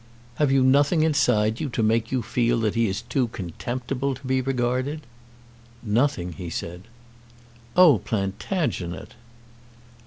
Have you nothing inside you to make you feel that he is too contemptible to be regarded?" "Nothing," he said. "Oh, Plantagenet!"